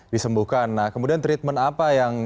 disembuhkan nah kemudian treatment apa yang